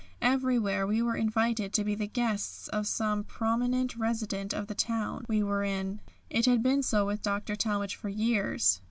Everywhere we were invited to be the guests of some prominent resident of the town we were in. It had been so with Dr. Talmage for years.